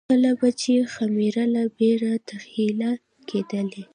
کله به چې خُمرې له بېړۍ تخلیه کېدلې